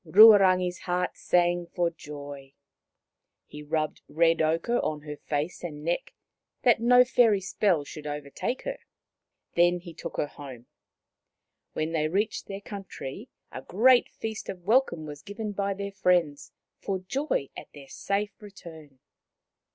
Ruarangi's heart sang for joy. He rubbed red ochre on her face and neck, that no fairy spell should overtake her. Then he took her home. When they reached their coun try, a great feast of welcome was given by their friends, for joy at their safe return.